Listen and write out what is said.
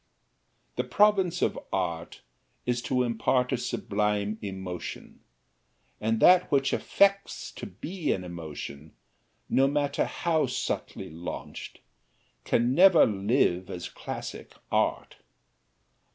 The province of art is to impart a sublime emotion, and that which affects to be an emotion, no matter how subtly launched, can never live as classic art.